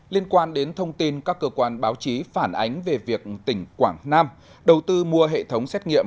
liên quan đến thông tin các cơ quan báo chí phản ánh về việc tỉnh quảng nam đầu tư mua hệ thống xét nghiệm